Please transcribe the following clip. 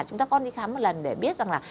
chúng ta con đi khám một lần để biết rằng là